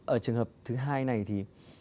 ở trường hợp thứ hai này thì